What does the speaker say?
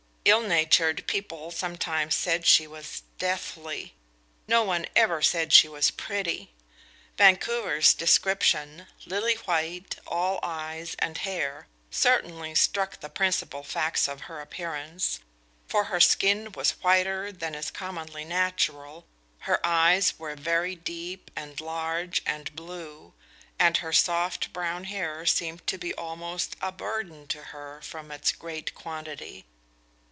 Ill natured people sometimes said she was deathly. No one ever said she was pretty. Vancouver's description lily white, all eyes and hair certainly struck the principal facts of her appearance, for her skin was whiter than is commonly natural, her eyes were very deep and large and blue, and her soft brown hair seemed to be almost a burden to her from its great quantity.